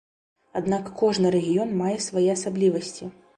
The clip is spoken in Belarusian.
Аднак кожны рэгіён мае свае асаблівасці.